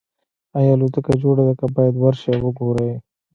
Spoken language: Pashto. ایا الوتکه جوړه ده که باید ورشئ او وګورئ